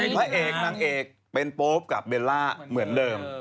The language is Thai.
พระเอกนางเอกเป็นโป๊ปกับเบลล่าเหมือนเดิม